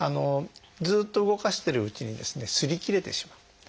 ずっと動かしてるうちにですね擦り切れてしまう。